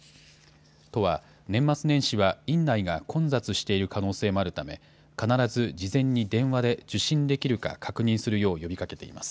都は、年末年始は院内が混雑している可能性もあるため、必ず事前に電話で受診できるか確認するよう呼びかけています。